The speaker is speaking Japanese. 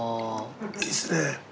いいですね。